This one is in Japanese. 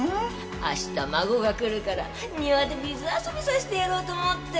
明日孫が来るから庭で水遊びさせてやろうと思って。